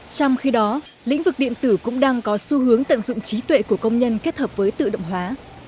trong khi đó lĩnh vực điện tử cũng đang có xu hướng tận dụng trí tuệ của công nhân kết hợp với tự động hóa